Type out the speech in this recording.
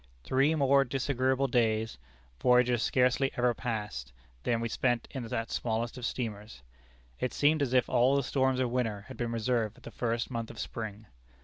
Three more disagreeable days, voyagers scarcely ever passed, than we spent in that smallest of steamers. It seemed as if all the storms of winter had been reserved for the first month of spring.